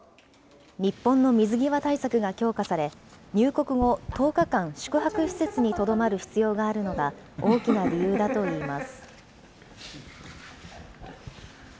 日本の水際対策が強化され、入国後１０日間、宿泊施設にとどまる必要があるのが大きな理由だといいます。